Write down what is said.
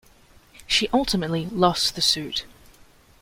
She ultimately lost the suit.